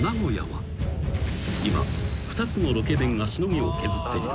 ［今２つのロケ弁がしのぎを削っている］